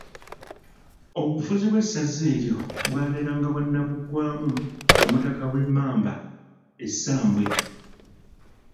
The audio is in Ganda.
Obufuzi bw'essaza eryo bwabeeranga bwa Nnaabugwamu omutaka ow'Emmamba e Ssambwe.